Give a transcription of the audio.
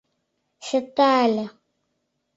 Чыте але